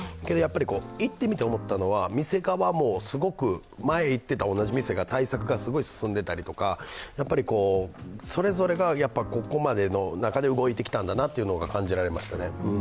行ってみて思ったのは前に行っていた同じ店が対策がすごい進んでたりとかそれぞれがここまでの中で動いてきたんだなというのが感じられましたね。